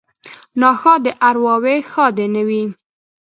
ـ ناښادې ارواوې ښادې نه وي.